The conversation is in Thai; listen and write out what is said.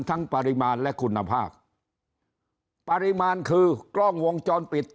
ปริมาณและคุณภาพปริมาณคือกล้องวงจรปิด